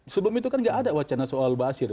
sebelum itu kan tidak ada wacana soal mbak asyir